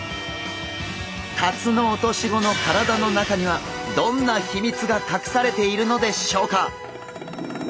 タツノオトシゴの体の中にはどんな秘密がかくされているのでしょうか？